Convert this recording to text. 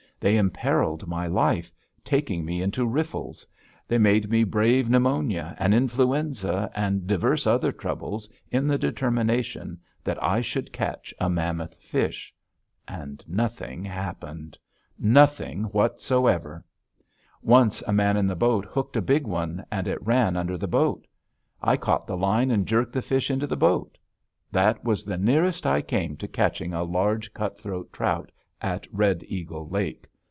They imperiled my life, taking me into riffles; they made me brave pneumonia and influenza and divers other troubles in the determination that I should catch a mammoth fish. And nothing happened nothing whatever. Once a man in the boat hooked a big one and it ran under the boat. I caught the line and jerked the fish into the boat. That was the nearest I came to catching a large cutthroat trout at Red Eagle Lake.